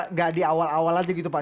tidak di awal awal saja gitu pak